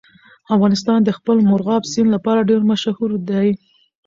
افغانستان د خپل مورغاب سیند لپاره ډېر مشهور دی.